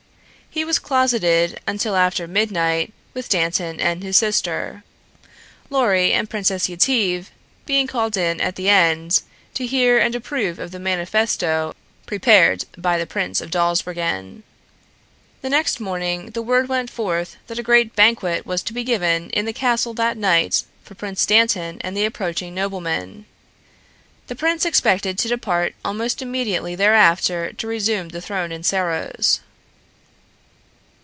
He was closeted until after midnight with Dantan and his sister. Lorry and Princess Yetive being called in at the end to hear and approve of the manifesto prepared by the Prince of Dawsbergen. The next morning the word went forth that a great banquet was to be given in the castle that night for Prince Dantan and the approaching noblemen. The prince expected to depart almost immediately thereafter to resume the throne in Serros.